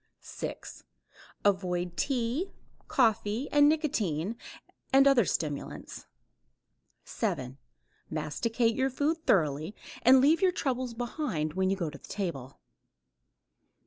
6. Avoid tea, coffee and nicotine and other stimulants. 7. Masticate your food thoroughly and leave your troubles behind when you go to the table.